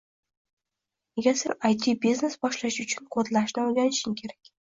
Nega sen AyTi biznes boshlash uchun kodlashni oʻrganishing kerak?